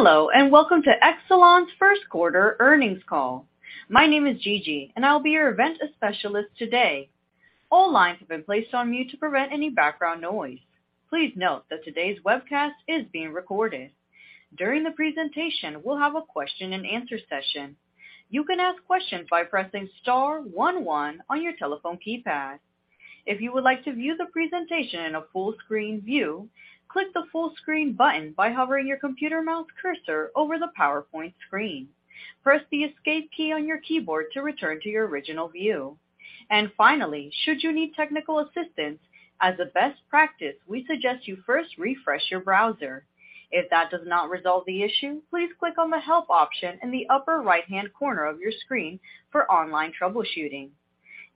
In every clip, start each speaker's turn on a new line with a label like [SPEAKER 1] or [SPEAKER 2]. [SPEAKER 1] Hello, welcome to Exelon's Q1 earnings call. My name is Gigi, I'll be your event specialist today. All lines have been placed on mute to prevent any background noise. Please note that today's webcast is being recorded. During the presentation, we'll have a question-and-answer session. You can ask questions by pressing star one one on your telephone keypad. If you would like to view the presentation in a full-screen view, click the full screen button by hovering your computer mouse cursor over the PowerPoint screen. Press the escape key on your keyboard to return to your original view. Finally, should you need technical assistance, as a best practice, we suggest you first refresh your browser. If that does not resolve the issue, please click on the help option in the upper right-hand corner of your screen for online troubleshooting.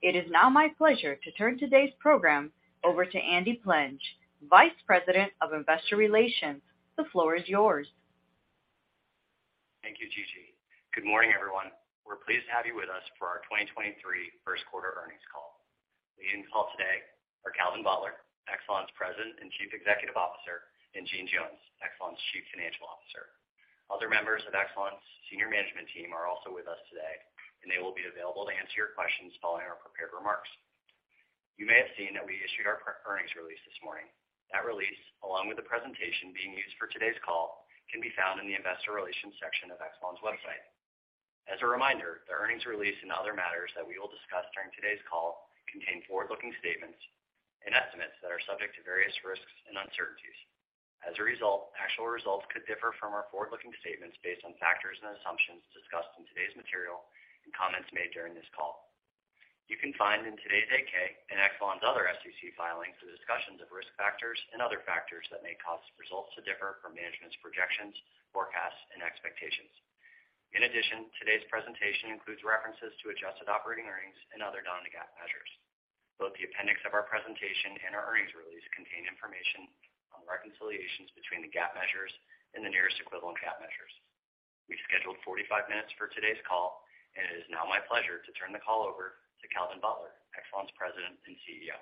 [SPEAKER 1] It is now my pleasure to turn today's program over to Andy Plenge, VP of Investor Relations. The floor is yours.
[SPEAKER 2] Thank you, Gigi. Good morning, everyone. We're pleased to have you with us for our 2023 first quarter earnings call. Leading the call today are Calvin Butler, Exelon's President and CEO, and Jeanne Jones, Exelon's CFO. Other members of Exelon's senior management team are also with us today, and they will be available to answer your questions following our prepared remarks. You may have seen that we issued our earnings release this morning. That release, along with the presentation being used for today's call, can be found in the investor relations section of Exelon's website. As a reminder, the earnings release and other matters that we will discuss during today's call contain forward-looking statements and estimates that are subject to various risks and uncertainties. As a result, actual results could differ from our forward-looking statements based on factors and assumptions discussed in today's material and comments made during this call. You can find in today's 8-K and Exelon's other SEC filings a discussion of risk factors and other factors that may cause results to differ from management's projections, forecasts, and expectations. In addition, today's presentation includes references to adjusted operating earnings and other non-GAAP measures. Both the appendix of our presentation and our earnings release contain information on reconciliations between the GAAP measures and the nearest equivalent GAAP measures. We've scheduled 45 minutes for today's call, and it is now my pleasure to turn the call over to Calvin Butler, Exelon's President and CEO.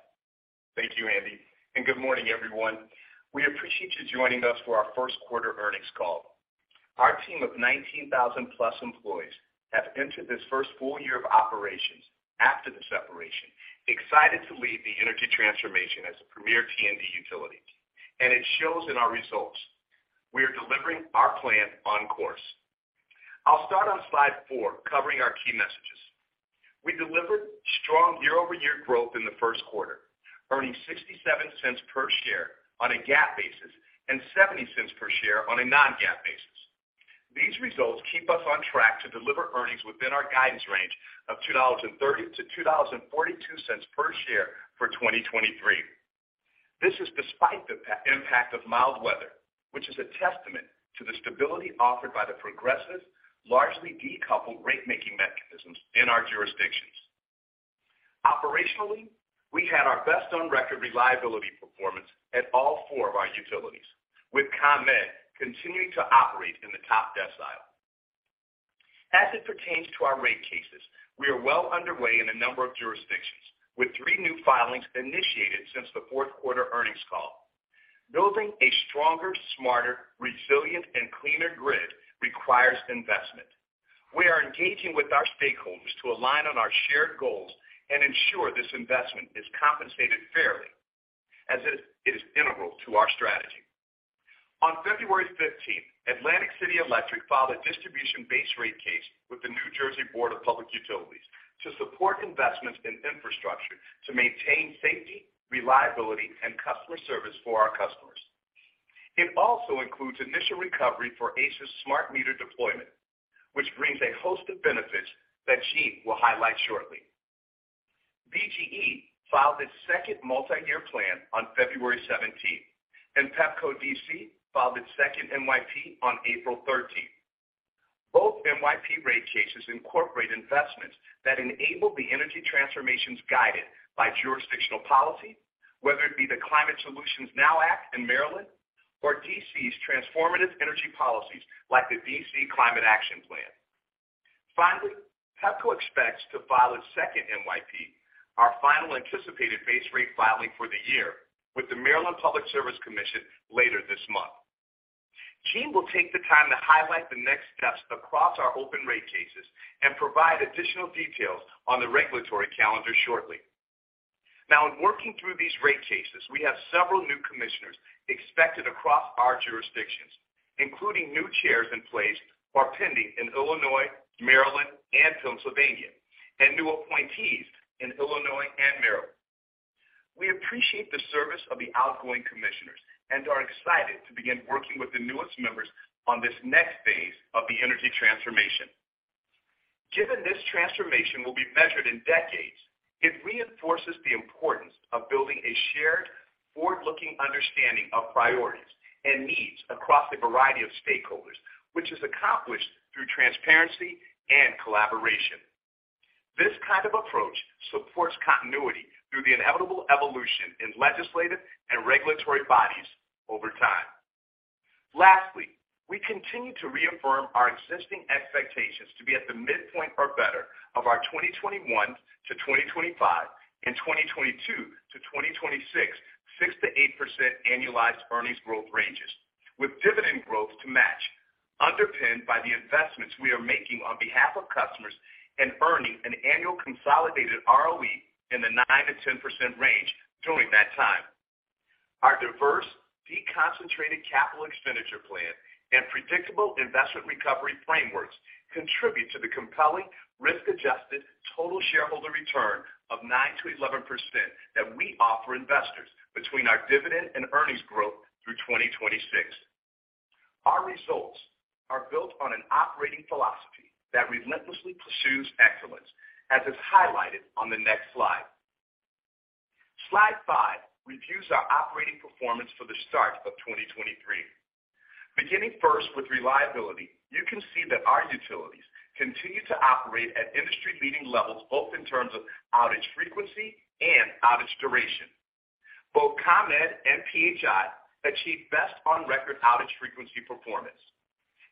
[SPEAKER 3] Thank you, Andy. Good morning, everyone. We appreciate you joining us for our Q1 earnings call. Our team of 19,000-plus employees have entered this first full year of operations after the separation, excited to lead the energy transformation as a premier T&D utility. It shows in our results. We are delivering our plan on course. I'll start on slide four, covering our key messages. We delivered strong year-over-year growth in the first quarter, earning $0.67 per share on a GAAP basis and $0.70 per share on a non-GAAP basis. These results keep us on track to deliver earnings within our guidance range of $2.30-$2.42 per share for 2023. This is despite the impact of mild weather, which is a testament to the stability offered by the progressive, largely decoupled rate-making mechanisms in our jurisdictions. Operationally, we had our best on-record reliability performance at all four of our utilities, with ComEd continuing to operate in the top decile. As it pertains to our rate cases, we are well underway in a number of jurisdictions, with three new filings initiated since the fourth quarter earnings call. Building a stronger, smarter, resilient, and cleaner grid requires investment. We are engaging with our stakeholders to align on our shared goals and ensure this investment is compensated fairly as it is integral to our strategy. On February 15th, Atlantic City Electric filed a distribution base rate case with the New Jersey Board of Public Utilities to support investments in infrastructure to maintain safety, reliability, and customer service for our customers. It also includes initial recovery for ACE's smart meter deployment, which brings a host of benefits that Jeanne will highlight shortly. BGE filed its second multi-year plan on February 17th, and Pepco DC filed its second MYP on April 13th. Both MYP rate cases incorporate investments that enable the energy transformations guided by jurisdictional policy, whether it be the Climate Solutions Now Act in Maryland or DC's transformative energy policies like the DC Climate Action Plan. Finally, Pepco expects to file a second MYP, our final anticipated base rate filing for the year, with the Maryland Public Service Commission later this month. Jeanne will take the time to highlight the next steps across our open rate cases and provide additional details on the regulatory calendar shortly. In working through these rate cases, we have several new commissioners expected across our jurisdictions, including new chairs in place or pending in Illinois, Maryland, and Pennsylvania, and new appointees in Illinois and Maryland. We appreciate the service of the outgoing commissioners and are excited to begin working with the newest members on this next phase of the energy transformation. Given this transformation will be measured in decades, it reinforces the importance of building a shared forward-looking understanding of priorities and needs across a variety of stakeholders, which is accomplished through transparency and collaboration. This kind of approach supports continuity through the inevitable evolution in legislative and regulatory bodies over time. Lastly, we continue to reaffirm our existing expectations to be at the midpoint or better of our 2021-2025 and 2022-2026, 6%-8% annualized earnings growth ranges, with dividend growth to match. Underpinned by the investments we are making on behalf of customers and earning an annual consolidated ROE in the 9%-10% range during that time. Our diverse, deconcentrated capital expenditure plan and predictable investment recovery frameworks contribute to the compelling risk-adjusted total shareholder return of 9%-11% that we offer investors between our dividend and earnings growth through 2026. Our results are built on an operating philosophy that relentlessly pursues excellence, as is highlighted on the next slide. Slide five reviews our operating performance for the start of 2023. Beginning first with reliability, you can see that our utilities continue to operate at industry-leading levels, both in terms of outage frequency and outage duration. Both ComEd and PHI achieved best on record outage frequency performance,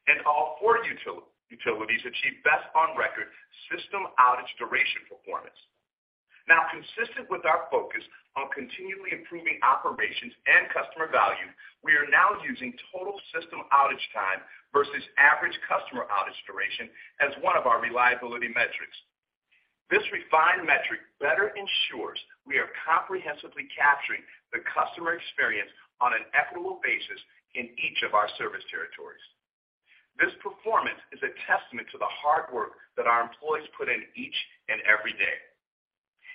[SPEAKER 3] and all four utilities achieved best on record system outage duration performance. Consistent with our focus on continually improving operations and customer value, we are now using total system outage time versus average customer outage duration as one of our reliability metrics. This refined metric better ensures we are comprehensively capturing the customer experience on an equitable basis in each of our service territories. This performance is a testament to the hard work that our employees put in each and every day.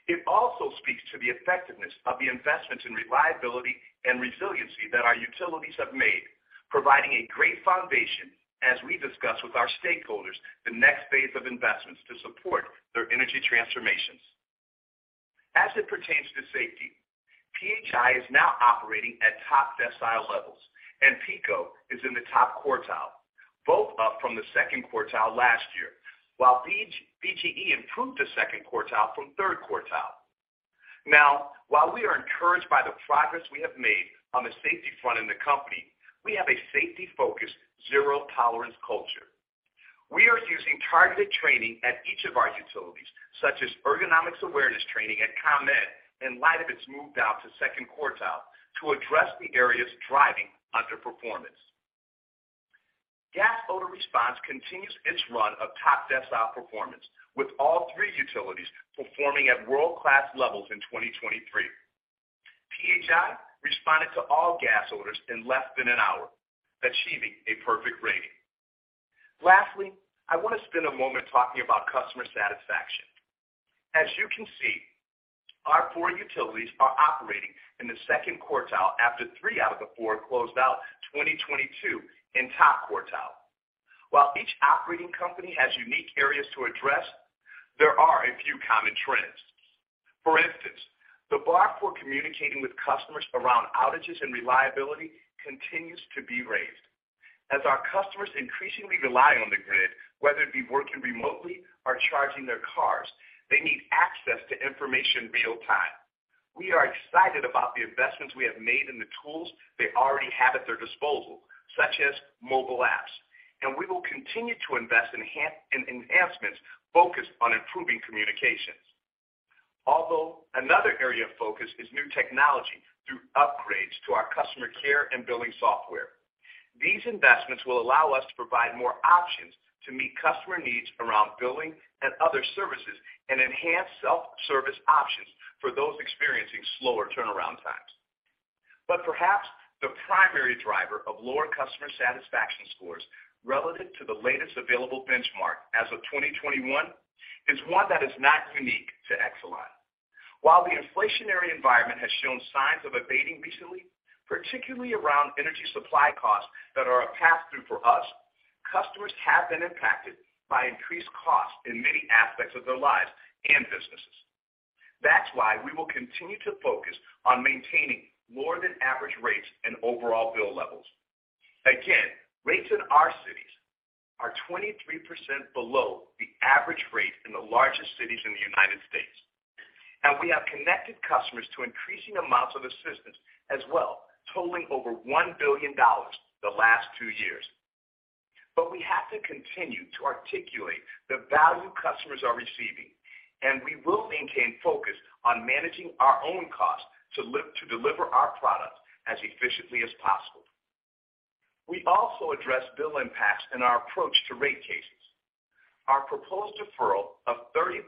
[SPEAKER 3] It also speaks to the effectiveness of the investments in reliability and resiliency that our utilities have made, providing a great foundation as we discuss with our stakeholders the next phase of investments to support their energy transformations. As it pertains to safety, PHI is now operating at top decile levels, and PECO is in the top quartile, both up from the second quartile last year, while BGE improved to second quartile from third quartile. While we are encouraged by the progress we have made on the safety front in the company, we have a safety-focused zero-tolerance culture. We are using targeted training at each of our utilities, such as ergonomics awareness training at ComEd in light of its move down to second quartile to address the areas driving underperformance. Gas odor response continues its run of top decile performance, with all three utilities performing at world-class levels in 2023. PHI responded to all gas odors in less than an hour, achieving a perfect rating. Lastly, I want to spend a moment talking about customer satisfaction. As you can see, our four utilities are operating in the second quartile after three out of the four closed out 2022 in top quartile. While each operating company has unique areas to address, there are a few common trends. For instance, the bar for communicating with customers around outages and reliability continues to be raised. As our customers increasingly rely on the grid, whether it be working remotely or charging their cars, they need access to information real time. We are excited about the investments we have made in the tools they already have at their disposal, such as mobile apps, and we will continue to invest in enhancements focused on improving communications. Another area of focus is new technology through upgrades to our customer care and billing software. These investments will allow us to provide more options to meet customer needs around billing and other services and enhance self-service options for those experiencing slower turnaround times. Perhaps the primary driver of lower customer satisfaction scores relative to the latest available benchmark as of 2021 is one that is not unique to Exelon. While the inflationary environment has shown signs of abating recently, particularly around energy supply costs that are a pass-through for us, customers have been impacted by increased costs in many aspects of their lives and businesses. Rates in our cities are 23% below the average rate in the largest cities in the United States, and we have connected customers to increasing amounts of assistance as well, totaling over $1 billion the last two years. We have to continue to articulate the value customers are receiving, and we will maintain focus on managing our own costs to deliver our products as efficiently as possible. We also address bill impacts in our approach to rate cases. Our proposed deferral of 35%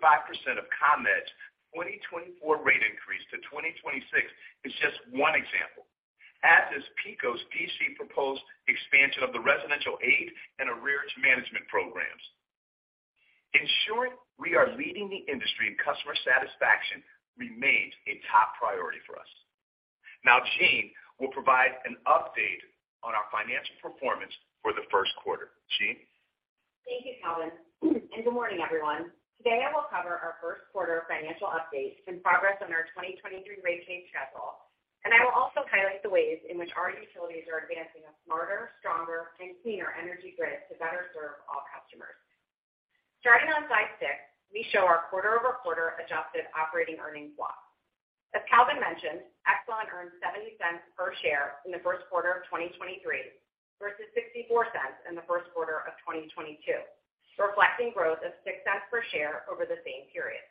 [SPEAKER 3] of ComEd's 2024 rate increase to 2026 is just one example, as is PECO's proposed expansion of the Residential Aid and Arrears Management programs. Ensuring we are leading the industry in customer satisfaction remains a top priority for us. Jeanne Jones will provide an update on our financial performance for the first quarter. Jeanne?
[SPEAKER 4] Thank you, Calvin. Good morning, everyone. Today, I will cover our first quarter financial update and progress on our 2023 rate case schedule. I will also highlight the ways in which our utilities are advancing a smarter, stronger, and cleaner energy grid to better serve all customers. Starting on slide 6, we show our quarter-over-quarter adjusted operating earnings EPS. As Calvin mentioned, Exelon earned $0.70 per share in the first quarter of 2023 versus $0.64 in the first quarter of 2022, reflecting growth of $0.06 per share over the same period.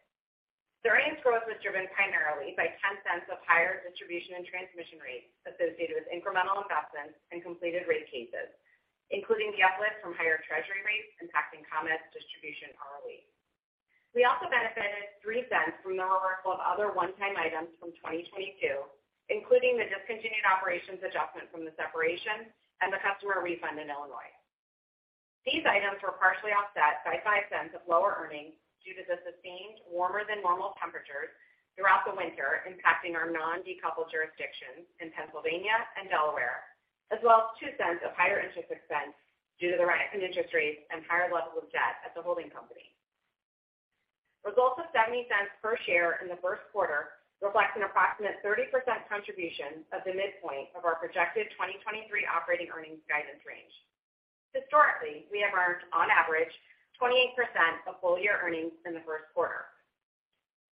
[SPEAKER 4] The earnings growth was driven primarily by $0.10 of higher distribution and transmission rates associated with incremental investments and completed rate cases, including the uplift from higher Treasury rates impacting ComEd's distribution ROE. We also benefited $0.03 from the reversal of other one-time items from 2022, including the discontinued operations adjustment from the separation and the customer refund in Illinois. These items were partially offset by $0.05 of lower earnings due to the sustained warmer than normal temperatures throughout the winter, impacting our non-decoupled jurisdictions in Pennsylvania and Delaware, as well as $0.02 of higher interest expense due to the rise in interest rates and higher levels of debt at the holding company. Results of $0.70 per share in the first quarter reflects an approximate 30% contribution of the midpoint of our projected 2023 operating earnings guidance range. Historically, we have earned on average 28% of full year earnings in the first quarter.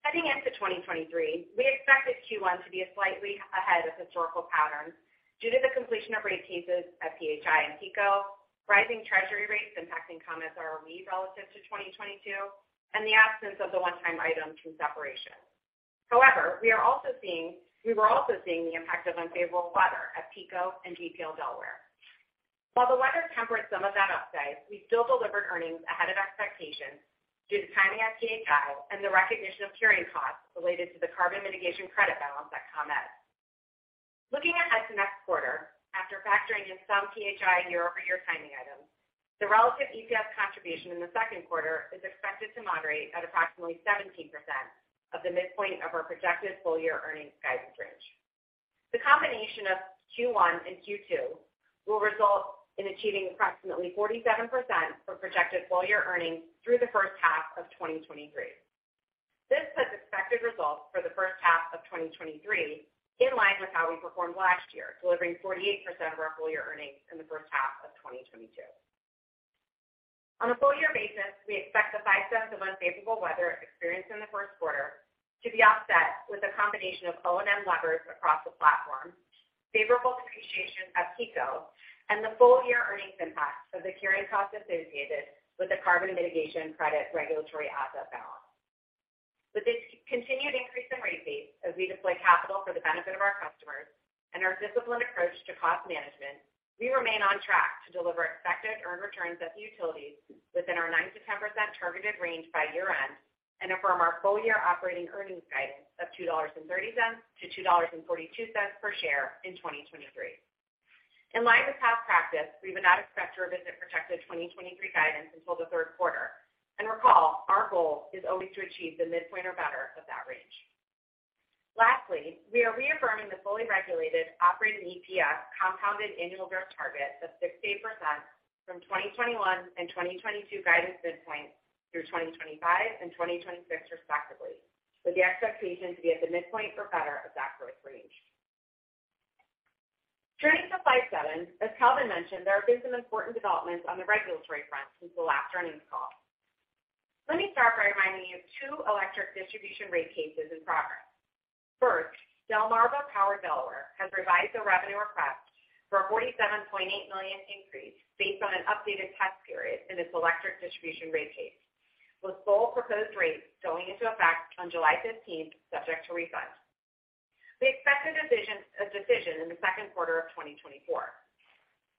[SPEAKER 4] Heading into 2023, we expected Q1 to be a slightly ahead of historical patterns due to the completion of rate cases at PHI and PECO, rising Treasury rates impacting ComEd's ROE relative to 2022, and the absence of the one-time items from separation. However, we were also seeing the impact of unfavorable weather at PECO and DPL Delaware. While the weather tempered some of that upside, we still delivered earnings ahead of expectations due to timing at PHI and the recognition of carrying costs related to the carbon mitigation credit balance at ComEd. Looking ahead to next quarter, after factoring in some PHI year-over-year timing items, the relative EPS contribution in the second quarter is expected to moderate at approximately 17% of the midpoint of our projected full-year earnings guidance range. The combination of Q1 and Q2 will result in achieving approximately 47% for projected full-year earnings through the first half of 2023. This puts expected results for the first half of 2023 in line with how we performed last year, delivering 48% of our full-year earnings in the first half of 2022. On a full-year basis, we expect the $0.05 of unfavorable weather experienced in the first quarter to be offset with a combination of O&M levers across the platform, favorable depreciation at PECO, and the full-year earnings impact of the carrying cost associated with the carbon mitigation credit regulatory asset balance. With this continued increase in rate base as we deploy capital for the benefit of our customers and our disciplined approach to cost management, we remain on track to deliver expected earned returns at the utilities within our 9%-10% targeted range by year-end and affirm our full-year operating earnings guidance of $2.30-$2.42 per share in 2023. In line with past practice, we would not expect to revisit projected 2023 guidance until the third quarter. Recall, our goal is always to achieve the midpoint or better of that range. Lastly, we are reaffirming the fully regulated operating EPS compounded annual growth target of 6%-8% from 2021 and 2022 guidance midpoints through 2025 and 2026 respectively, with the expectation to be at the midpoint or better of that growth range. Turning to slide seven, as Calvin mentioned, there have been some important developments on the regulatory front since the last earnings call. Let me start by reminding you of two electric distribution rate cases in progress. First, Delmarva Power Delaware has revised the revenue request for a $47.8 million increase based on an updated test period in its electric distribution rate case, with full proposed rates going into effect on July 15th, subject to refunds. We expect a decision in the second quarter of 2024.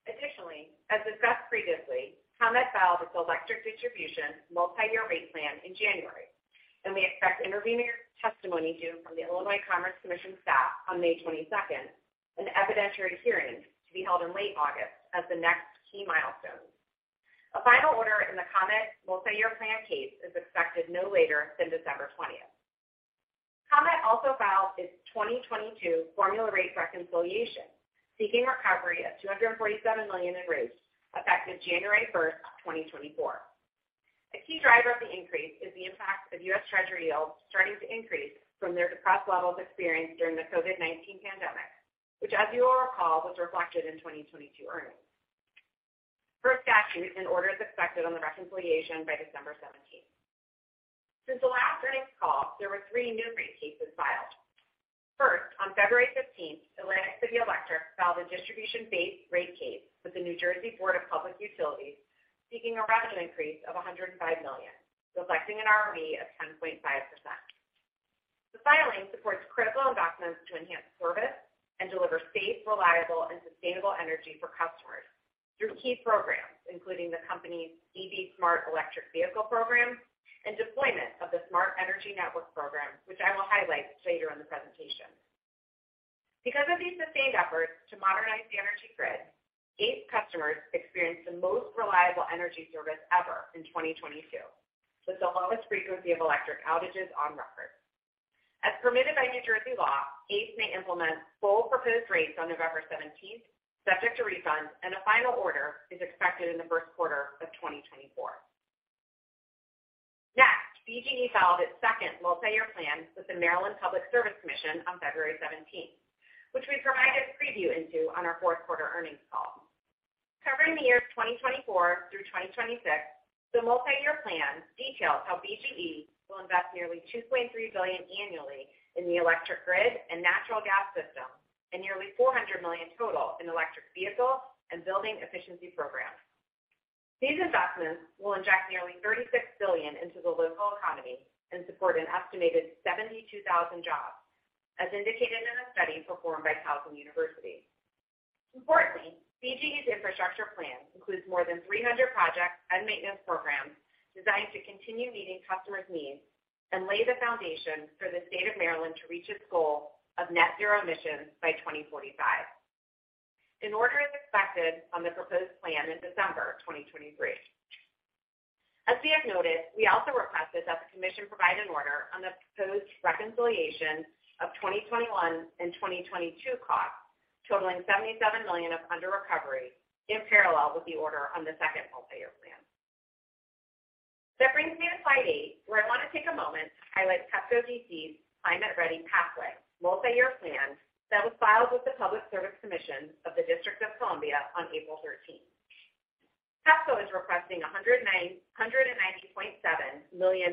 [SPEAKER 4] Additionally, as discussed previously, ComEd filed its electric distribution multi-year rate plan in January, and we expect intervenor testimony due from the Illinois Commerce Commission staff on May 22nd, an evidentiary hearing to be held in late August as the next key milestone. A final order in the ComEd multi-year plan case is expected no later than December 20th. ComEd also filed its 2022 formula rate reconciliation, seeking recovery of $247 million in rates effective January 1st, 2024. A key driver of the increase is the impact of US Treasury yields starting to increase from their depressed levels experienced during the COVID-19 pandemic, which as you all recall, was reflected in 2022 earnings. Per statute, an order is expected on the reconciliation by December 17th. Since the last earnings call, there were three new rate cases filed. First, on February 15th, Atlantic City Electric filed a distribution-based rate case with the New Jersey Board of Public Utilities, seeking a revenue increase of $105 million, reflecting an ROE of 10.5%. The filing supports critical investments to enhance service and deliver safe, reliable, and sustainable energy for customers through key programs, including the company's EV Smart Electric Vehicle program and deployment of the Smart Energy Network program, which I will highlight later in the presentation. Because of these sustained efforts to modernize the energy grid, ACE customers experienced the most reliable energy service ever in 2022, with the lowest frequency of electric outages on record. As permitted by New Jersey law, ACE may implement full proposed rates on November 17th, subject to refunds, and a final order is expected in the first quarter of 2024. Next, BGE filed its second multi-year plan with the Maryland Public Service Commission on February 17th, which we provided a preview into on our fourth quarter earnings call. Covering the years 2024 through 2026, the multi-year plan details how BGE will invest nearly $2.3 billion annually in the electric grid and natural gas system, and nearly $400 million total in electric vehicle and building efficiency programs. These investments will inject nearly $36 billion into the local economy and support an estimated 72,000 jobs, as indicated in a study performed by Calvin University. Importantly, BGE's infrastructure plan includes more than 300 projects and maintenance programs designed to continue meeting customers' needs and lay the foundation for the state of Maryland to reach its goal of net zero emissions by 2045. An order is expected on the proposed plan in December 2023. As you have noticed, we also requested that the commission provide an order on the proposed reconciliation of 2021 and 2022 costs, totaling $77 million of under recovery in parallel with the order on the second multi-year plan. That brings me to slide 8, where I want to take a moment to highlight Pepco DC's Climate Ready Pathway multi-year plan that was filed with the Public Service Commission of the District of Columbia on April 13th. Pepco is requesting a $190.7 million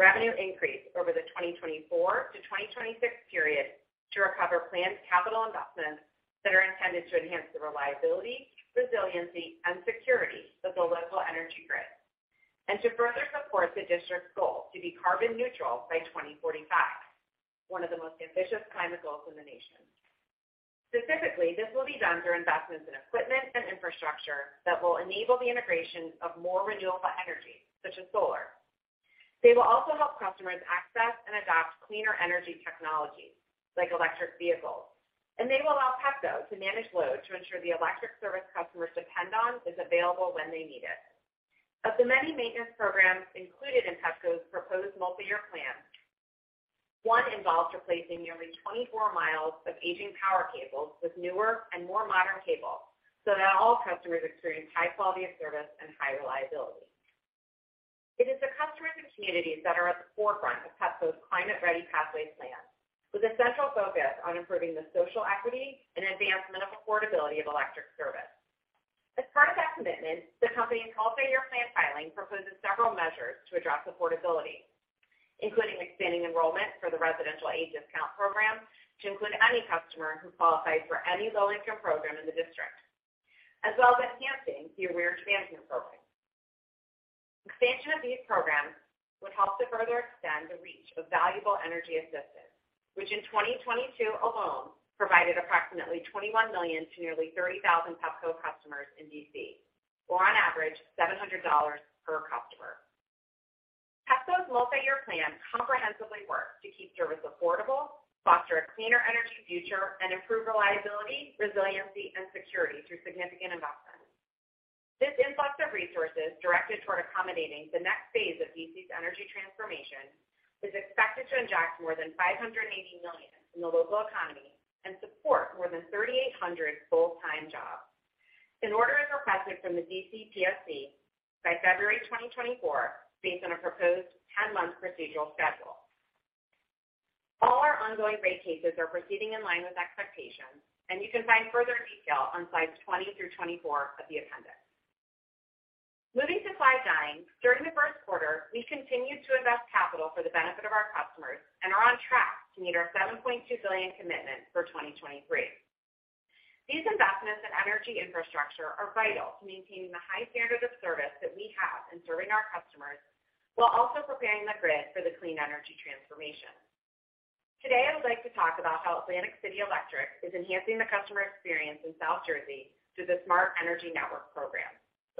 [SPEAKER 4] revenue increase over the 2024-2026 period to recover planned capital investments that are intended to enhance the reliability, resiliency, and security of the local energy grid. To further support the district's goal to be carbon neutral by 2045, one of the most ambitious climate goals in the nation. Specifically, this will be done through investments in equipment and infrastructure that will enable the integration of more renewable energy, such as solar. They will also help customers access and adopt cleaner energy technologies like electric vehicles. They will allow Pepco to manage loads to ensure the electric service customers depend on is available when they need it. Of the many maintenance programs included in Pepco's proposed multi-year plan, one involves replacing nearly 24 miles of aging power cables with newer and more modern cable so that all customers experience high quality of service and high reliability. It is the customers and communities that are at the forefront of Pepco's Climate Ready Pathway plan, with a central focus on improving the social equity and advancement of affordability of electric service. As part of that commitment, the company's multi-year plan filing proposes several measures to address affordability, including expanding enrollment for the Residential Aid Discount program to include any customer who qualifies for any low-income program in the district, as well as enhancing the Arrears Management Program. Expansion of these programs would help to further extend the reach of valuable energy assistance, which in 2022 alone provided approximately $21 million to nearly 30,000 Pepco customers in D.C., or on average $700 per customer. Pepco's multi-year plan comprehensively works to keep service affordable, foster a cleaner energy future, and improve reliability, resiliency, and security through significant investments. This influx of resources directed toward accommodating the next phase of D.C.'s energy transformation is expected to inject more than $580 million in the local economy and support more than 3,800 full-time jobs. An order is requested from the D.C. PSC by February 2024 based on a proposed 10-month procedural schedule. All our ongoing rate cases are proceeding in line with expectations, and you can find further detail on slides 20 through 24 of the appendix. Moving to slide 9. During the first quarter, we continued to invest capital for the benefit of our customers and are on track to meet our $7.2 billion commitment for 2023. These investments in energy infrastructure are vital to maintaining the high standard of service that we have in serving our customers while also preparing the grid for the clean energy transformation. Today, I would like to talk about how Atlantic City Electric is enhancing the customer experience in South Jersey through the Smart Energy Network program,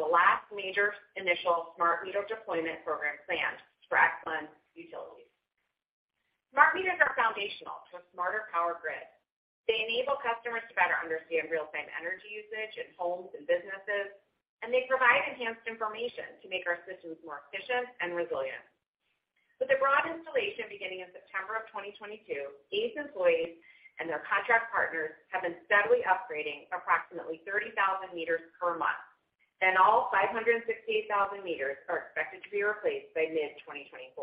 [SPEAKER 4] the last major initial smart meter deployment program planned for Exelon utilities. Smart meters are foundational to a smarter power grid. They enable customers to better understand real-time energy usage in homes and businesses, and they provide enhanced information to make our systems more efficient and resilient. With a broad installation beginning in September of 2022, ACE employees and their contract partners have been steadily upgrading approximately 30,000 meters per month, and all 568,000 meters are expected to be replaced by mid-2024.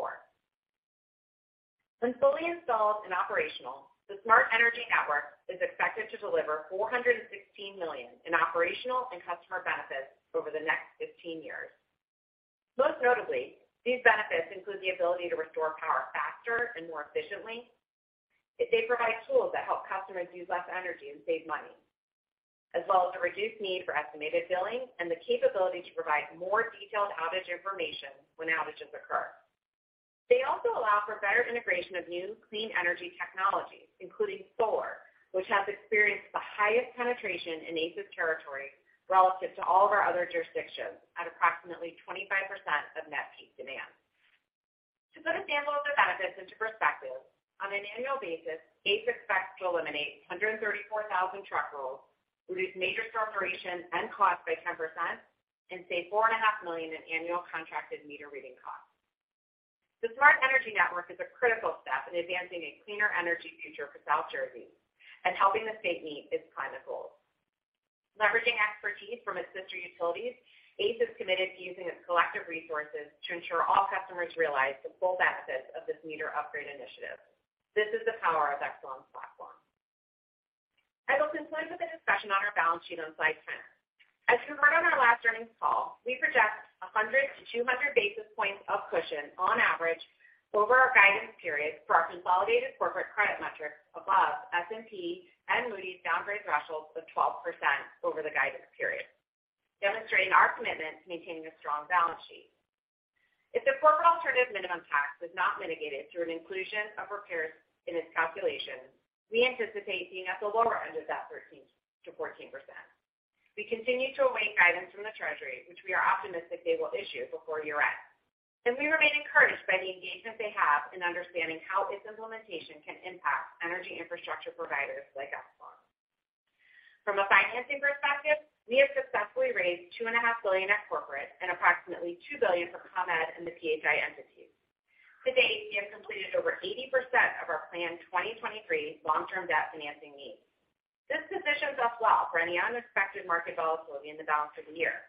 [SPEAKER 4] When fully installed and operational, the Smart Energy Network is expected to deliver $416 million in operational and customer benefits over the next 15 years. Most notably, these benefits include the ability to restore power faster and more efficiently. They provide tools that help customers use less energy and save money, as well as the reduced need for estimated billing and the capability to provide more detailed outage information when outages occur. They also allow for better integration of new clean energy technologies, including solar, which has experienced the highest penetration in ACE's territory relative to all of our other jurisdictions at approximately 25% of net peak demand. To put a sample of the benefits into perspective, on an annual basis, ACE expects to eliminate 134,000 truck rolls, reduce major storm duration and cost by 10% and save $4.5 million in annual contracted meter reading costs. The Smart Energy Network is a critical step in advancing a cleaner energy future for South Jersey and helping the state meet its climate goals. Leveraging expertise from its sister utilities, ACE is committed to using its collective resources to ensure all customers realize the full benefits of this meter upgrade initiative. This is the power of Exelon's platform. I will conclude with a discussion on our balance sheet on slide 10. As you heard on our last earnings call, we project a 100 to 200 basis points of cushion on average over our guidance period for our consolidated corporate credit metrics above S&P and Moody's downgrade thresholds of 12% over the guidance period, demonstrating our commitment to maintaining a strong balance sheet. If the corporate alternative minimum tax was not mitigated through an inclusion of repairs in its calculation, we anticipate being at the lower end of that 13%-14%. We continue to await guidance from the Treasury, which we are optimistic they will issue before year-end, and we remain encouraged by the engagement they have in understanding how its implementation can impact energy infrastructure providers like us. From a financing perspective, we have successfully raised $2.5 billion at corporate and approximately $2 billion for ComEd and the PHI entities. To date, we have completed over 80% of our planned 2023 long-term debt financing needs. This positions us well for any unexpected market volatility in the balance of the year.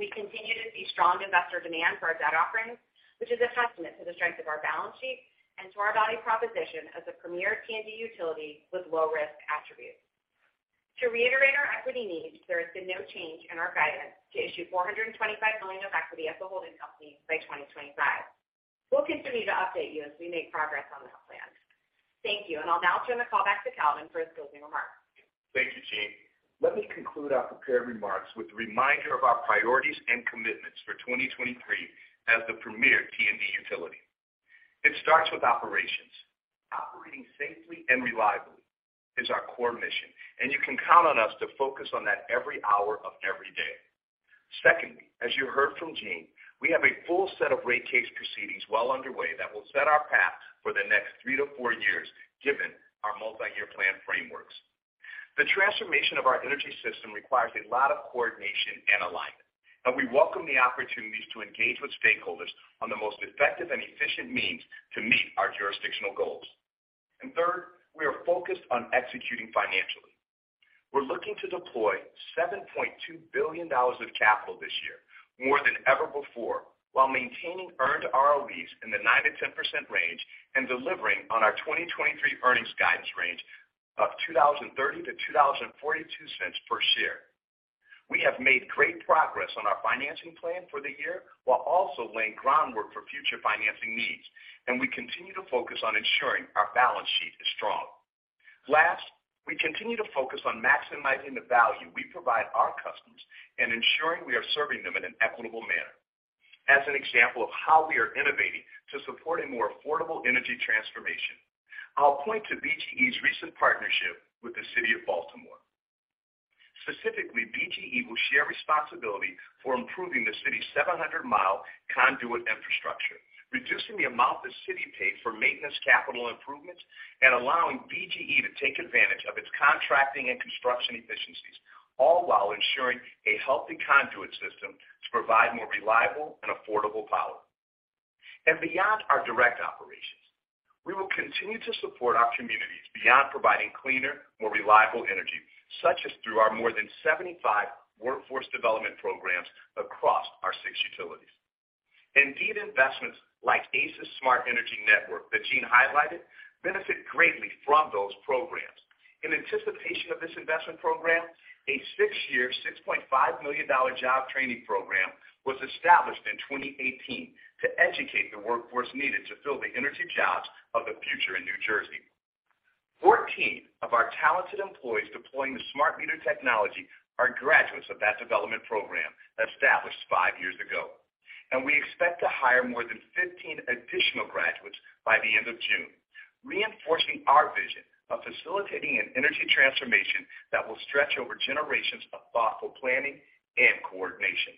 [SPEAKER 4] We continue to see strong investor demand for our debt offerings, which is a testament to the strength of our balance sheet and to our value proposition as a premier T&D utility with low-risk attributes. To reiterate our equity needs, there has been no change in our guidance to issue $425 million of equity at the holding company by 2025. We'll continue to update you as we make progress on that plan. Thank you. I'll now turn the call back to Calvin for his closing remarks.
[SPEAKER 3] Thank you, Jeanne. Let me conclude our prepared remarks with a reminder of our priorities and commitments for 2023 as the premier T&D utility. It starts with operations. Operating safely and reliably is our core mission, and you can count on us to focus on that every hour of every day. Secondly, as you heard from Jeanne, we have a full set of rate case proceedings well underway that will set our path for the next three to four years, given our multi-year plan frameworks. The transformation of our energy system requires a lot of coordination and alignment, and we welcome the opportunities to engage with stakeholders on the most effective and efficient means to meet our jurisdictional goals. Third, we are focused on executing financially. We're looking to deploy $7.2 billion of capital this year, more than ever before, while maintaining earned ROEs in the 9%-10% range and delivering on our 2023 earnings guidance range of $2.03-$2.42 per share. We have made great progress on our financing plan for the year while also laying groundwork for future financing needs, and we continue to focus on ensuring our balance sheet is strong. Last, we continue to focus on maximizing the value we provide our customers and ensuring we are serving them in an equitable manner. As an example of how we are innovating to support a more affordable energy transformation, I'll point to BGE's recent partnership with the city of Baltimore. Specifically, BGE will share responsibility for improving the city's 700-mile conduit infrastructure, reducing the amount the city pays for maintenance, capital improvements, allowing BGE to take advantage of its contracting and construction efficiencies, all while ensuring a healthy conduit system to provide more reliable and affordable power. Beyond our direct operations, we will continue to support our communities beyond providing cleaner, more reliable energy, such as through our more than 75 workforce development programs across our six utilities. Indeed, investments like ACE's Smart Energy Network that Jeanne highlighted benefit greatly from those programs. In anticipation of this investment program, a 6-year, $6.5 million job training program was established in 2018 to educate the workforce needed to fill the energy jobs of the future in New Jersey. 14 of our talented employees deploying the smart meter technology are graduates of that development program established five years ago. We expect to hire more than 15 additional graduates by the end of June, reinforcing our vision of facilitating an energy transformation that will stretch over generations of thoughtful planning and coordination.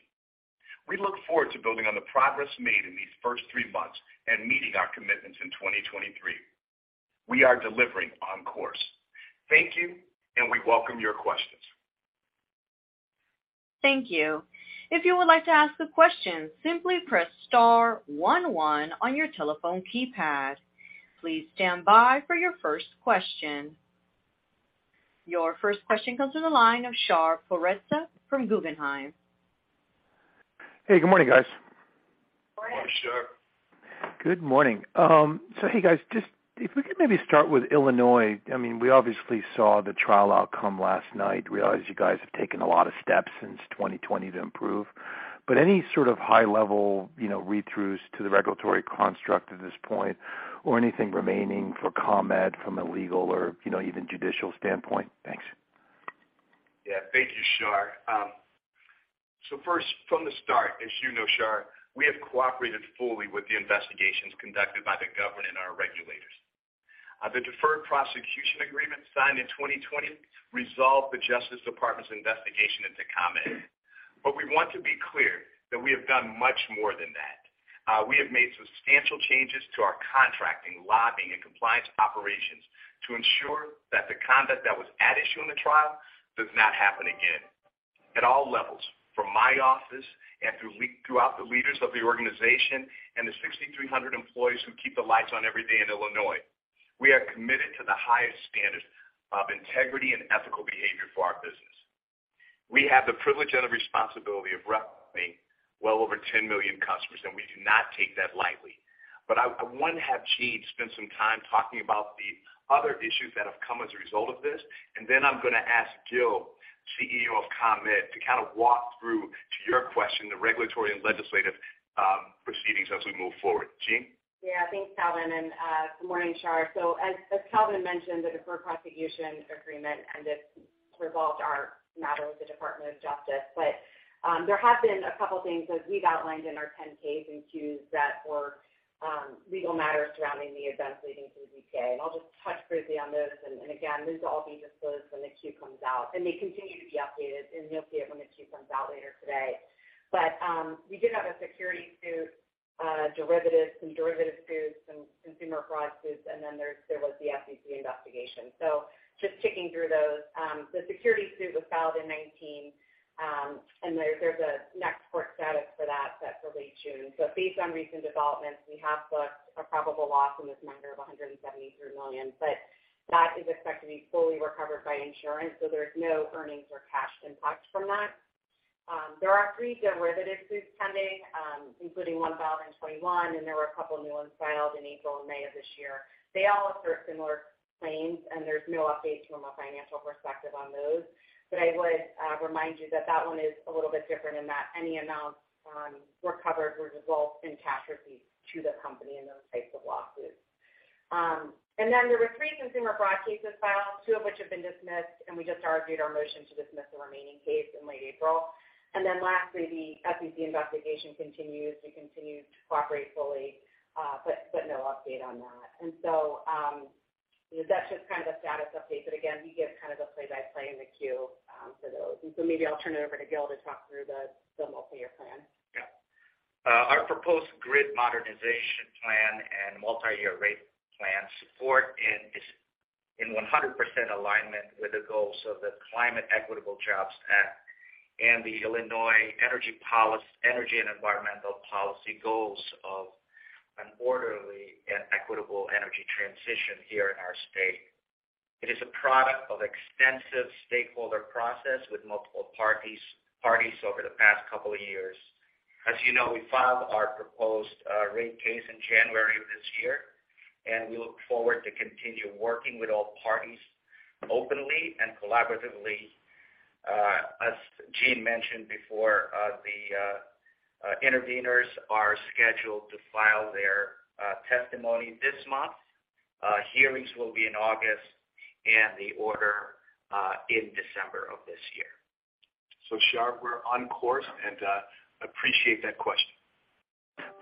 [SPEAKER 3] We look forward to building on the progress made in these first three months and meeting our commitments in 2023. We are delivering on course. Thank you, and we welcome your questions.
[SPEAKER 1] Thank you. If you would like to ask a question, simply press star one one on your telephone keypad. Please stand by for your first question. Your first question comes to the line of Shar Pourreza from Guggenheim.
[SPEAKER 5] Hey, good morning, guys.
[SPEAKER 3] Morning, Shar.
[SPEAKER 5] Good morning. Hey, guys, just if we could maybe start with Illinois. I mean, we obviously saw the trial outcome last night. Realize you guys have taken a lot of steps since 2020 to improve, but any sort of high-level, you know, read-throughs to the regulatory construct at this point or anything remaining for ComEd from a legal or, you know, even judicial standpoint? Thanks.
[SPEAKER 3] Thank you, Shar. First, from the start, as you know, Shar, we have cooperated fully with the investigations conducted by the government and our regulators. The deferred prosecution agreement signed in 2020 resolved the Justice Department's investigation into ComEd. We want to be clear that we have done much more than that. We have made substantial changes to our contracting, lobbying, and compliance operations to ensure that the conduct that was at issue in the trial does not happen again. At all levels, from my office and throughout the leaders of the organization and the 6,300 employees who keep the lights on every day in Illinois, we are committed to the highest standards of integrity and ethical behavior for our business. We have the privilege and the responsibility of roughly well over 10 million customers. We do not take that lightly. I want to have Jeanne spend some time talking about the other issues that have come as a result of this. Then I'm going to ask Gil, CEO of ComEd, to kind of walk through, to your question, the regulatory and legislative proceedings as we move forward. Jeanne?
[SPEAKER 4] Yeah. Thanks, Calvin, and good morning, Shar. As Calvin mentioned, the deferred prosecution agreement and this resolved our matter with the Department of Justice. There have been a couple of things that we've outlined in our 10-K's and Q's that were legal matters surrounding the events leading to the BK. I'll just touch briefly on this. Again, these will all be disclosed when the Q comes out, and they continue to be updated, and you'll see it when the Q comes out later today. We did have a security suit, derivatives, some derivative suits, some consumer fraud suits, and then there was the SEC investigation. Just ticking through those, the security suit was filed in 19, and there's a next court status for that that's early June. Based on recent developments, we have booked a probable loss in this matter of $173 million. That is expected to be fully recovered by insurance, so there's no earnings or cash impact from that. There are three derivative suits pending, including one filed in 2021, and there were a couple of new ones filed in April and May of this year. They all assert similar claims, and there's no update from a financial perspective on those. I would remind you that that one is a little bit different in that any amounts recovered would result in cash receipts to the company in those types of lawsuits. Then there were three consumer broad cases filed, two of which have been dismissed, and we just argued our motion to dismiss the remaining case in late April. Lastly, the SEC investigation continues. We continue to cooperate fully, no update on that. That's just kind of a status update. Again, we give kind of a play-by-play in the queue, for those. Maybe I'll turn it over to Gil to talk through the multi-year plan.
[SPEAKER 6] Yeah. Our proposed grid modernization plan and multi-year rate plan support in is in 100% alignment with the goals of the Climate and Equitable Jobs Act and the Illinois Energy and Environmental Policy goals of an orderly and equitable energy transition here in our state. It is a product of extensive stakeholder process with multiple parties over the past couple of years. As you know, we filed our proposed rate case in January of this year, and we look forward to continue working with all parties openly and collaboratively. As Jeanne mentioned before, the interveners are scheduled to file their testimony this month. Hearings will be in August and the order in December of this year. Shar, we're on course and appreciate that question.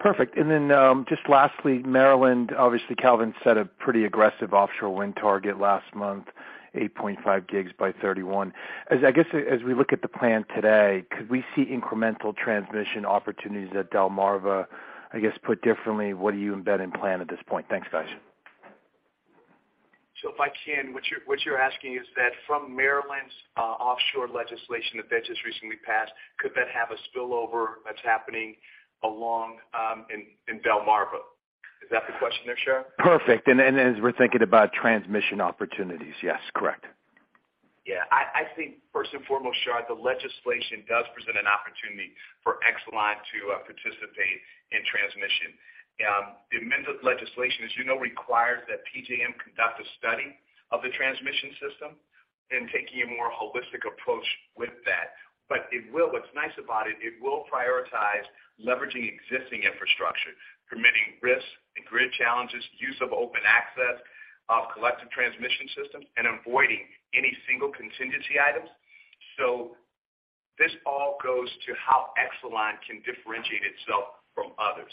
[SPEAKER 5] Perfect. Then, just lastly, Maryland, obviously, Calvin set a pretty aggressive offshore wind target last month, 8.5 gigs by 2031. As I guess as we look at the plan today, could we see incremental transmission opportunities at Delmarva? I guess put differently, what do you embed and plan at this point? Thanks, guys.
[SPEAKER 3] if I can, what you're asking is that from Maryland's offshore legislation that just recently passed, could that have a spillover that's happening along in Delmarva? Is that the question there, Shar?
[SPEAKER 5] Perfect. As we're thinking about transmission opportunities. Yes, correct.
[SPEAKER 3] Yeah. I think first and foremost, Shar, the legislation does present an opportunity for Exelon to participate in transmission. The amendment legislation, as you know, requires that PJM conduct a study of the transmission system and taking a more holistic approach with that. What's nice about it will prioritize leveraging existing infrastructure, permitting risks and grid challenges, use of open access, collective transmission systems, and avoiding any single contingency items. This all goes to how Exelon can differentiate itself from others.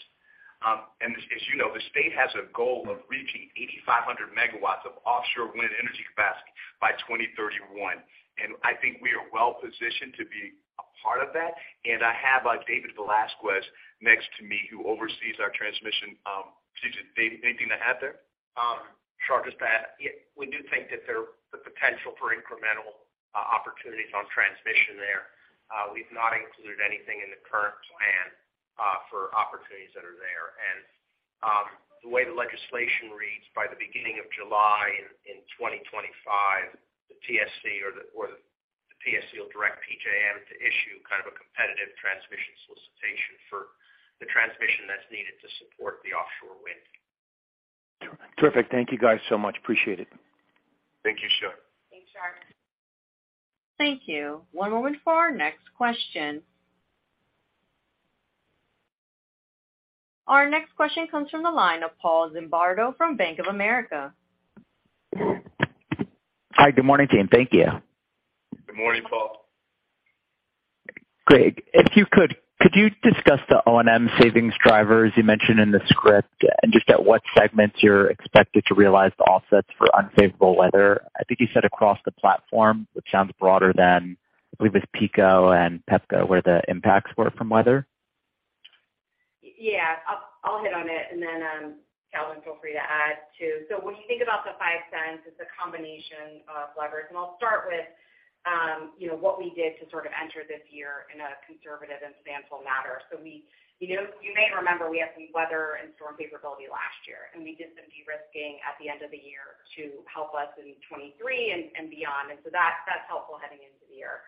[SPEAKER 3] As you know, the state has a goal of reaching 8,500 megawatts of offshore wind energy capacity by 2031. I think we are well-positioned to be a part of that. I have David Velazquez next to me who oversees our transmission decisions. Dave, anything to add there?
[SPEAKER 6] Shar, just to add, yeah, we do think that there the potential for incremental opportunities on transmission there. We've not included anything in the current plan for opportunities that are there. The way the legislation reads by the beginning of July in 2025, the TSC or the TSC will direct PJM to issue kind of a competitive transmission solicitation for the transmission that's needed to support the offshore wind.
[SPEAKER 5] Terrific. Thank you guys so much. Appreciate it.
[SPEAKER 3] Thank you, Shar.
[SPEAKER 4] Thanks, Shar.
[SPEAKER 1] Thank you. One moment for our next question. Our next question comes from the line of Paul Zimbardo from Bank of America.
[SPEAKER 7] Hi. Good morning, team. Thank you.
[SPEAKER 3] Good morning, Paul.
[SPEAKER 7] Great. If you could you discuss the O&M savings drivers you mentioned in the script and just at what segments you're expected to realize the offsets for unfavorable weather? I think you said across the platform, which sounds broader than, I believe it's PECO and Pepco, where the impacts were from weather.
[SPEAKER 4] Yeah, I'll hit on it and then, Calvin, feel free to add too. When you think about the $0.05, it's a combination of levers. I'll start with, you know, what we did to sort of enter this year in a conservative and eventful matter. We, you know, you may remember we had some weather and storm favorability last year, and we did some de-risking at the end of the year to help us in 2023 and beyond. That's, that's helpful heading into the year.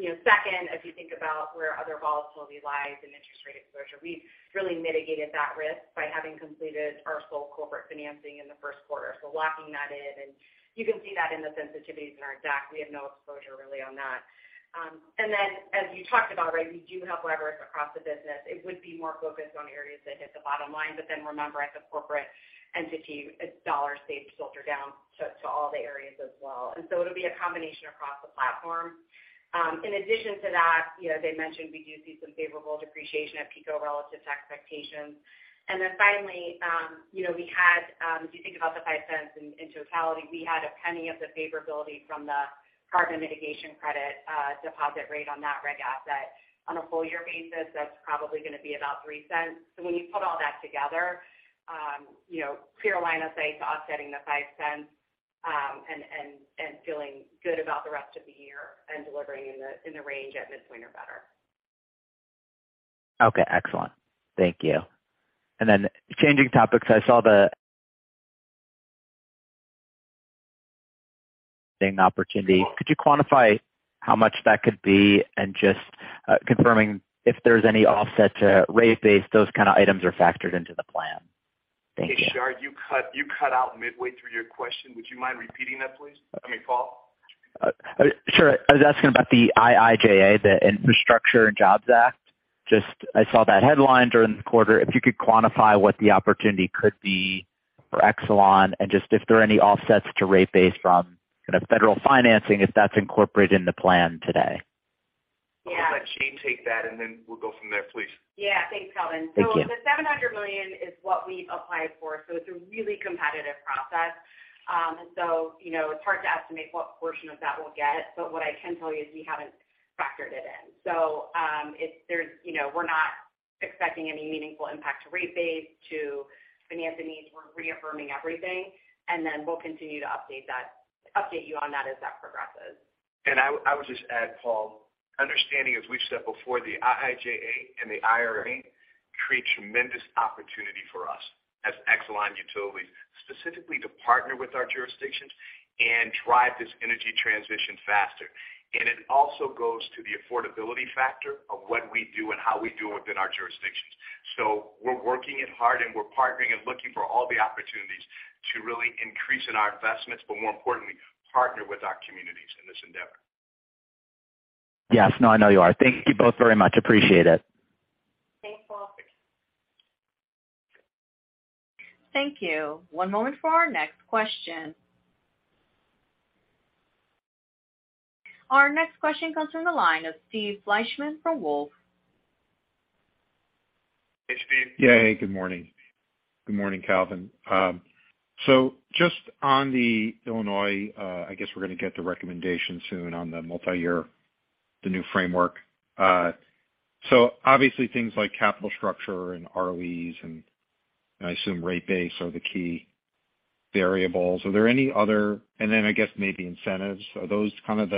[SPEAKER 4] You know, second, if you think about where other volatility lies in interest rate exposure, we've really mitigated that risk by having completed our full corporate financing in the first quarter. Locking that in. You can see that in the sensitivities in our deck. We have no exposure really on that. As you talked about, right, we do have leverage across the business. It would be more focused on areas that hit the bottom line. Remember, as a corporate entity, its dollar saved filter down to all the areas as well. It'll be a combination across the platform. In addition to that, you know, as I mentioned, we do see some favorable depreciation at PECO relative to expectations. Finally, you know, we had, if you think about the $0.05 in totality, we had a $0.01 of the favorability from the carbon mitigation credit deposit rate on that reg asset. On a full year basis, that's probably gonna be about $0.03. When you put all that together, you know, clear line of sight to offsetting the $0.05, and feeling good about the rest of the year and delivering in the range at mid-point or better.
[SPEAKER 7] Okay, excellent. Thank you. Then changing topics, I saw the opportunity. Could you quantify how much that could be and just, confirming if there's any offset to rate base, those kind of items are factored into the plan. Thank you.
[SPEAKER 3] Hey, Shar, you cut out midway through your question. Would you mind repeating that, please? I mean, Paul.
[SPEAKER 7] Sure. I was asking about the IIJA, the Infrastructure and Jobs Act. Just I saw that headline during the quarter. If you could quantify what the opportunity could be for Exelon and just if there are any offsets to rate base from kind of federal financing, if that's incorporated in the plan today.
[SPEAKER 4] Yeah.
[SPEAKER 3] I'll let Jeanne take that, and then we'll go from there, please.
[SPEAKER 4] Yeah. Thanks, Calvin.
[SPEAKER 7] Thank you.
[SPEAKER 4] The $700 million is what we applied for. It's a really competitive process. You know, it's hard to estimate what portion of that we'll get. What I can tell you is we haven't factored it in. You know, we're not expecting any meaningful impact to rate base to finance the needs. We're reaffirming everything, we'll continue to update you on that as that progresses.
[SPEAKER 3] I would just add, Paul, understanding, as we've said before, the IIJA and the IRA create tremendous opportunity for us as Exelon utilities, specifically to partner with our jurisdictions and drive this energy transition faster. It also goes to the affordability factor of what we do and how we do it within our jurisdictions. We're working it hard, and we're partnering and looking for all the opportunities to really increase in our investments, but more importantly, partner with our communities in this endeavor.
[SPEAKER 7] Yes. No, I know you are. Thank you both very much. Appreciate it.
[SPEAKER 4] Thanks, Paul.
[SPEAKER 1] Thank you. One moment for our next question. Our next question comes from the line of Steve Fleishman from Wolfe.
[SPEAKER 3] Hey, Steve.
[SPEAKER 8] Yeah. Hey, good morning. Good morning, Calvin. Just on the Illinois, I guess we're gonna get the recommendation soon on the multiyear, the new framework. Obviously things like capital structure and ROEs and I assume rate base are the key variables. I guess maybe incentives. Are those kind of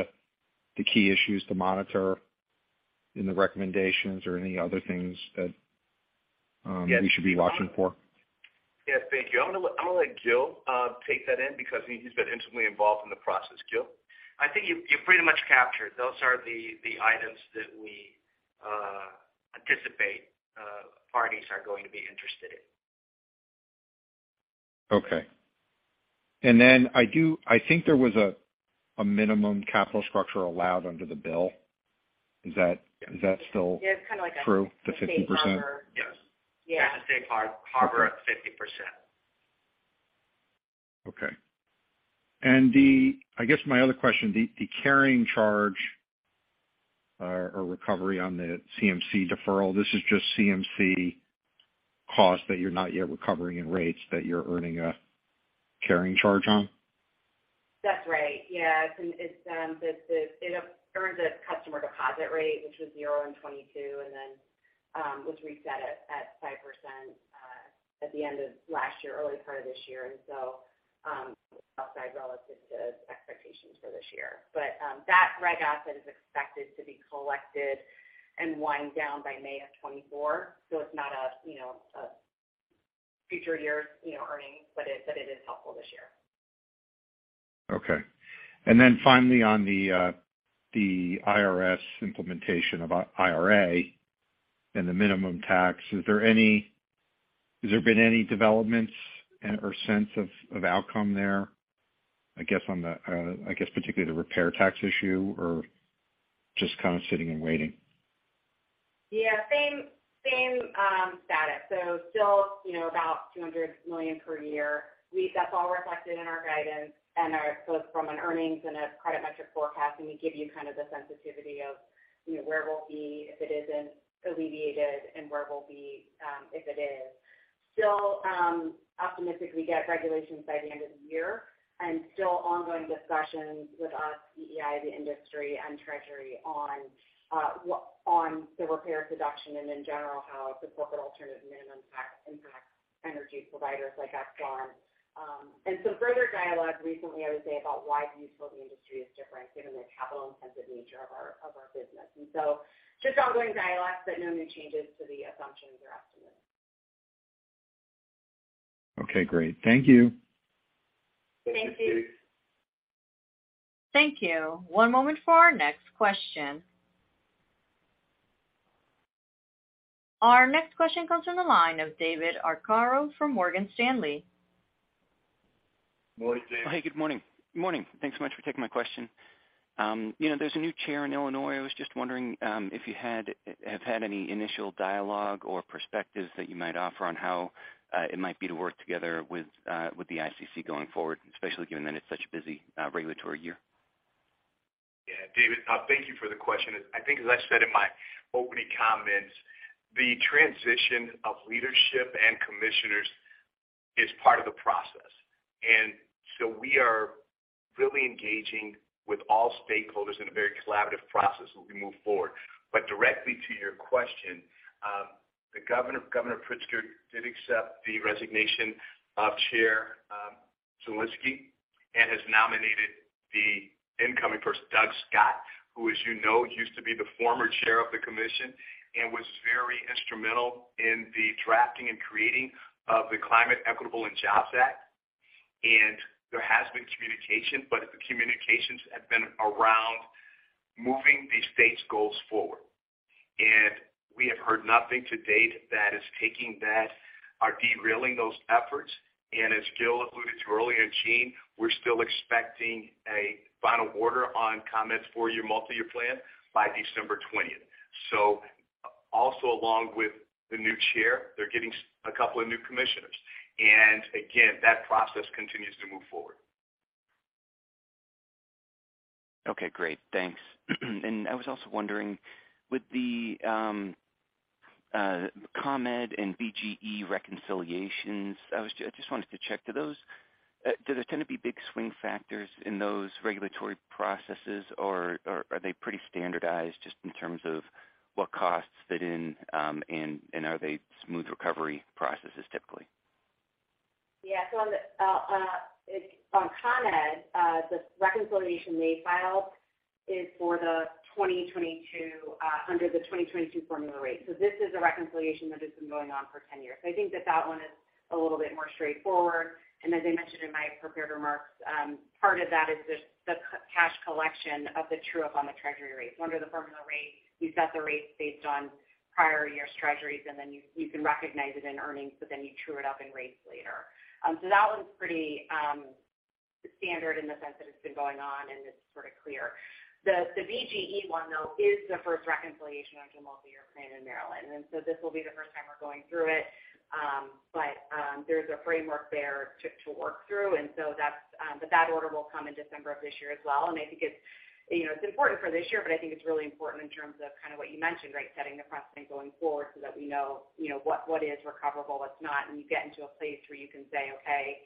[SPEAKER 8] the key issues to monitor in the recommendations or any other things that?
[SPEAKER 3] Yes.
[SPEAKER 8] -we should be watching for?
[SPEAKER 3] Yes, thank you. I'm gonna let Gil take that in because he's been intimately involved in the process. Gil?
[SPEAKER 6] I think you pretty much captured. Those are the items that we anticipate parties are going to be interested in.
[SPEAKER 8] Okay. I think there was a minimum capital structure allowed under the bill. Is that still-?
[SPEAKER 4] Yeah. It's kind of like.
[SPEAKER 8] true, the 50%?
[SPEAKER 4] Safe harbor.
[SPEAKER 6] Yes.
[SPEAKER 4] Yeah.
[SPEAKER 6] It's a safe harbor at 50%.
[SPEAKER 8] Okay. I guess my other question, the carrying charge or recovery on the CMC deferral, this is just CMC costs that you're not yet recovering in rates that you're earning a carrying charge on?
[SPEAKER 4] That's right, yeah. It's it occurred the customer deposit rate, which was zero in 2022, and then was reset at 5% at the end of last year, early part of this year. Outside relative to expectations for this year. That reg asset is expected to be collected and wind down by May of 2024. It's not a, you know, a future year, you know, earnings, but it is helpful this year.
[SPEAKER 8] Okay. Then finally on the IRS implementation of IRA and the Minimum Tax, has there been any developments or sense of outcome there? I guess on the particularly the repair tax issue or just kind of sitting and waiting?
[SPEAKER 4] Yeah, same status. Still, you know, about $200 million per year. That's all reflected in our guidance and our both from an earnings and a credit metric forecast. We give you kind of the sensitivity of, you know, where we'll be if it isn't alleviated and where we'll be if it is. Still optimistic we get regulations by the end of the year and still ongoing discussions with our CEI, the industry and Treasury on the repair deduction and in general, how the corporate alternative minimum tax impacts energy providers like Exelon. Some further dialogue recently, I would say, about why the utility industry is different given the capital-intensive nature of our business. Just ongoing dialogues, but no new changes to the assumptions or estimates.
[SPEAKER 8] Okay, great. Thank you.
[SPEAKER 4] Thank you.
[SPEAKER 1] Thank you. One moment for our next question. Our next question comes from the line of David Arcaro from Morgan Stanley.
[SPEAKER 3] Morning, Dave.
[SPEAKER 9] Hey, good morning. Good morning. Thanks so much for taking my question. you know, there's a new chair in Illinois. I was just wondering, if you have had any initial dialogue or perspectives that you might offer on how it might be to work together with the ICC going forward, especially given that it's such a busy regulatory year?
[SPEAKER 3] Yeah. David, thank you for the question. I think as I said in my opening comments, the transition of leadership and commissioners is part of the process. We are really engaging with all stakeholders in a very collaborative process as we move forward. But directly to your question, the governor, Governor Pritzker did accept the resignation of Chair Zalewski, and has nominated the incoming person, Doug Scott, who, as you know, used to be the former chair of the commission and was very instrumental in the drafting and creating of the Climate and EquitableJobs Act. There has been communication, but the communications have been around moving the state's goals forward. We have heard nothing to date that is taking that or derailing those efforts. As Gil alluded to earlier, and Jeanne, we're still expecting a final order on ComEd's four-year multi-year plan by December twentieth. Also along with the new Chair, they're getting a couple of new commissioners. Again, that process continues to move forward.
[SPEAKER 9] Okay, great. Thanks. I was also wondering, with the ComEd and BGE reconciliations, I just wanted to check. Do those do they tend to be big swing factors in those regulatory processes or are they pretty standardized just in terms of what costs fit in, and are they smooth recovery processes typically?
[SPEAKER 4] Yeah. On ComEd, the reconciliation they filed is for the 2022, under the 2022 formula rate. This is a reconciliation that has been going on for 10 years. I think that that one is a little bit more straightforward. As I mentioned in my prepared remarks, part of that is just the cash collection of the true-up on the treasury rates. Under the formula rate, you set the rates based on prior year's treasuries, and then you can recognize it in earnings, but you true it up in rates later. That one's pretty standard in the sense that it's been going on and it's sort of clear. The BGE one, though, is the first reconciliation under multi-year plan in Maryland. This will be the first time we're going through it. There's a framework there to work through. That's, but that order will come in December of this year as well. I think it's, you know, it's important for this year, but I think it's really important in terms of kind of what you mentioned, right? Setting the precedent going forward so that we know, you know, what is recoverable, what's not. You get into a place where you can say, okay,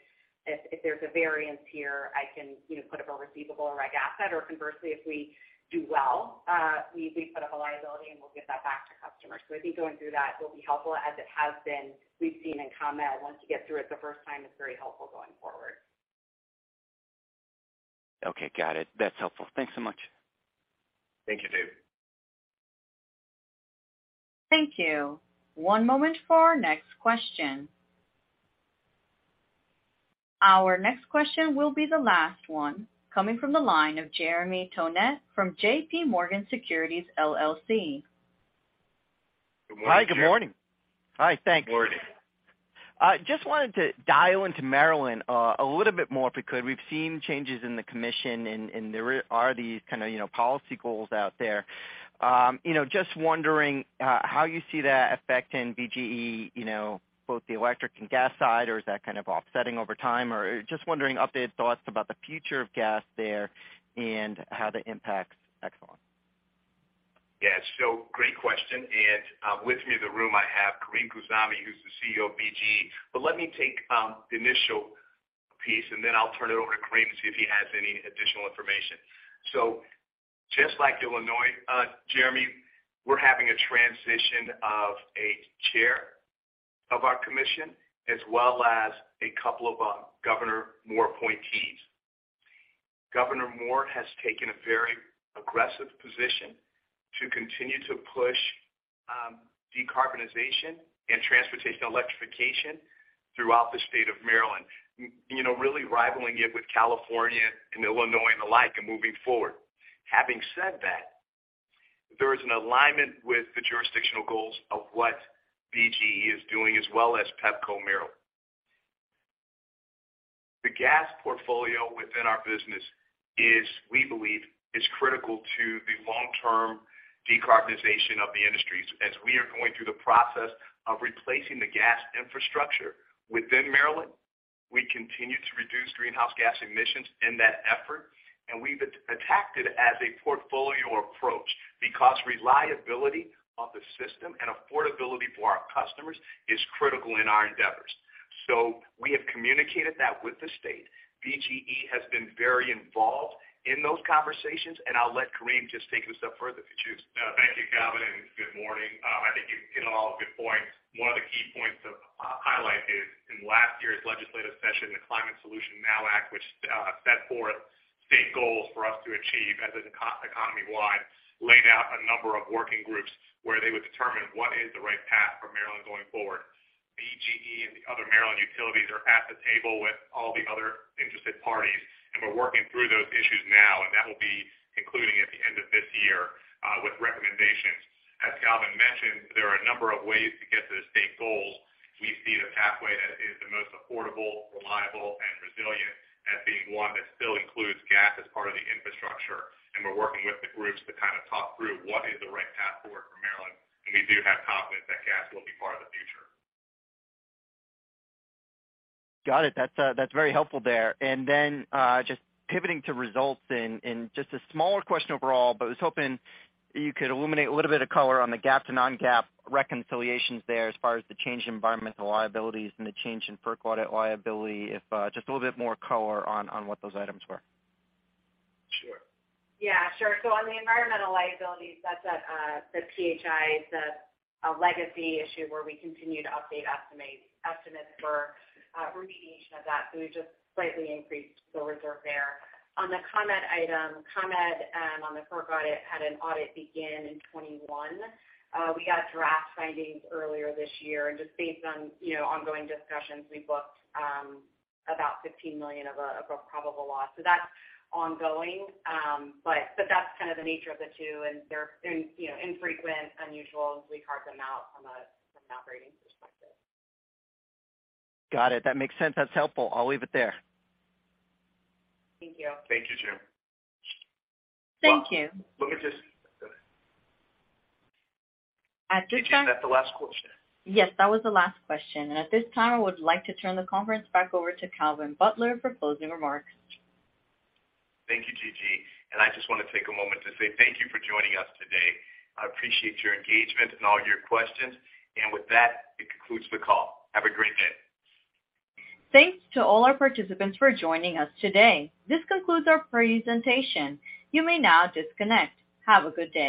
[SPEAKER 4] if there's a variance here, I can, you know, put up a receivable or reg asset. Conversely, if we do well, we put up a liability and we'll give that back to customers. I think going through that will be helpful as it has been. We've seen in ComEd, once you get through it the first time, it's very helpful going forward.
[SPEAKER 9] Okay, got it. That's helpful. Thanks so much.
[SPEAKER 3] Thank you, Dave.
[SPEAKER 1] Thank you. One moment for our next question. Our next question will be the last one, coming from the line of Jeremy Tonet from J.P. Morgan Securities LLC.
[SPEAKER 3] Good morning, Jeremy.
[SPEAKER 10] Hi, good morning. Hi, thanks.
[SPEAKER 3] Good morning.
[SPEAKER 10] Just wanted to dial into Maryland a little bit more if we could. We've seen changes in the commission and there are these kind of, you know, policy goals out there. You know, just wondering, how you see that affecting BGE, you know, both the electric and gas side or is that kind of offsetting over time? Just wondering, updated thoughts about the future of gas there and how that impacts Exelon.
[SPEAKER 3] Yeah. Great question. With me in the room, I have Carim Khouzami, who's the CEO of BGE. Let me take the initial piece, and then I'll turn it over to Carim to see if he has any additional information. Just like Illinois, Jeremy, we're having a transition of a chair of our commission, as well as a couple of Governor Moore appointees. Governor Moore has taken a very aggressive position to continue to push decarbonization and transportation electrification throughout the state of Maryland, you know, really rivaling it with California and Illinois and the like and moving forward. Having said that, there is an alignment with the jurisdictional goals of what BGE is doing as well as Pepco Maryland. The gas portfolio within our business is, we believe, is critical to the long-term decarbonization of the industries. As we are going through the process of replacing the gas infrastructure within Maryland, we continue to reduce greenhouse gas emissions in that effort, and we've attacked it as a portfolio approach because reliability of the system and affordability for our customers is critical in our endeavors. We have communicated that with the state. BGE has been very involved in those conversations, and I'll let Carim just take it a step further if you choose.
[SPEAKER 11] Thank you, Calvin, and good morning. I think you hit on all the good points. One of the key points to highlight is in last year's legislative session, the Climate Solutions Now Act, which set forth state goals for us to achieve as an economy-wide, laid out a number of working groups where they would determine what is the right path for Maryland going forward. Me and the other Maryland utilities are at the table with all the other interested parties, and we're working through those issues now, and that will be concluding at the end of this year with recommendations. As Calvin mentioned, there are a number of ways to get to the state goals. We see the pathway that is the most affordable, reliable, and resilient as being one that still includes gas as part of the infrastructure. We're working with the groups to kind of talk through what is the right path forward for Maryland. We do have confidence that gas will be part of the future.
[SPEAKER 12] Got it. That's, that's very helpful there. Just pivoting to results and just a smaller question overall, but I was hoping you could illuminate a little bit of color on the GAAP to non-GAAP reconciliations there as far as the change in environmental liabilities and the change in FERC audit liability, if, just a little bit more color on what those items were.
[SPEAKER 11] Sure.
[SPEAKER 4] Yeah, sure. On the environmental liabilities, that's at the PHI, the, a legacy issue where we continue to update estimates for remediation of that. We just slightly increased the reserve there. On the comment item, ComEd, on the FERC audit had an audit begin in 2021. We got draft findings earlier this year and just based on, you know, ongoing discussions, we booked about $15 million of a, of a probable loss. That's ongoing. That's kind of the nature of the two. They're, you know, infrequent, unusual. We carve them out from a, from an operating perspective.
[SPEAKER 12] Got it. That makes sense. That's helpful. I'll leave it there.
[SPEAKER 4] Thank you.
[SPEAKER 11] Thank you, Jim.
[SPEAKER 1] Thank you.
[SPEAKER 11] Let me just.
[SPEAKER 1] At this time.
[SPEAKER 11] Is that the last question?
[SPEAKER 1] Yes, that was the last question. At this time, I would like to turn the conference back over to Calvin Butler for closing remarks.
[SPEAKER 11] Thank you, Gigi. I just want to take a moment to say thank you for joining us today. I appreciate your engagement and all your questions. With that, it concludes the call. Have a great day.
[SPEAKER 1] Thanks to all our participants for joining us today. This concludes our presentation. You may now disconnect. Have a good day.